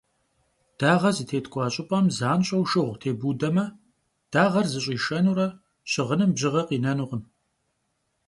Дагъэ зытеткӏуа щӏыпӏэм занщӏэу шыгъу тебудэмэ, дагъэр зыщӏишэнурэ щыгъыным бжьыгъэ къинэнукъым.